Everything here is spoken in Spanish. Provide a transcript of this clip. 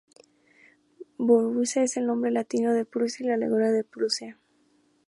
Borussia es el nombre latino de Prusia y la alegoría de Prusia.